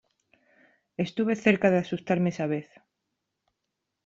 Estuve cerca de asustarme esa vez .